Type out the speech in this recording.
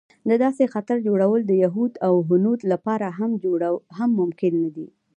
د داسې خطر جوړول د یهود او هنود لپاره هم ممکن نه دی.